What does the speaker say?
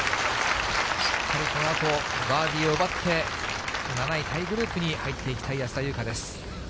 しっかりとバーディーを奪って、７位タイグループに入っていきたい安田祐香です。